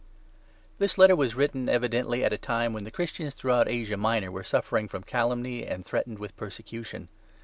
THIS Letter was written evidently at a time when the Christians throughout Asia Minor were suffering from calumny and threatened with persecution.